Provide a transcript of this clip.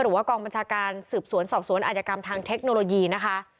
กองบัญชาการสืบสวนสอบสวนอาจกรรมทางเทคโนโลยีนะคะ